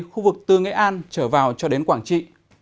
khu vực từ nghệ an trở vào cho đến quảng trị